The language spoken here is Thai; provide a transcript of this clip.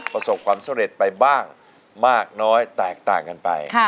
ประสบความสำเร็จไปบ้างมากน้อยแตกต่างกันไป